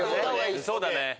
そうだね。